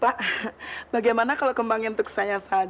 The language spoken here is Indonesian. pak bagaimana kalau kembangin untuk saya saja